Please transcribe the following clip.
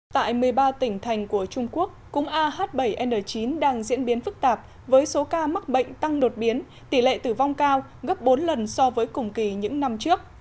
tại một mươi ba tỉnh thành của trung quốc cúng ah bảy n chín đang diễn biến phức tạp với số ca mắc bệnh tăng đột biến tỷ lệ tử vong cao gấp bốn lần so với cùng kỳ những năm trước